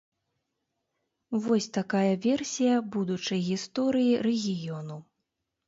Вось такая версія будучай гісторыі рэгіёну.